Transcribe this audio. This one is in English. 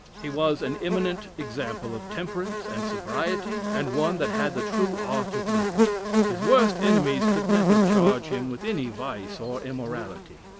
He was an eminent example of temperance and sobriety, and one that had the true art of living. His worst enemies could never charge him with any vice or immorality."